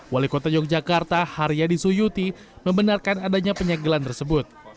wali kota yogyakarta haryadi suyuti membenarkan adanya penyegelan tersebut